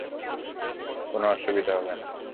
কোন অসুবিধা হবে না!